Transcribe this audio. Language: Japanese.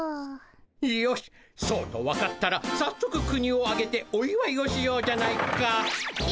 よしそうと分かったらさっそく国をあげておいわいをしようじゃないか。